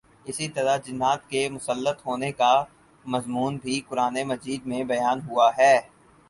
اسی طرح جنات کے مسلط ہونے کا مضمون بھی قرآنِ مجید میں بیان ہوا ہے